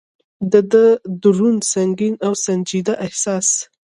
د ده دروند، سنګین او سنجیده احساس.